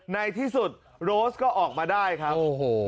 ในที่สุดโรสก็ออกมาได้ครับโอ้โห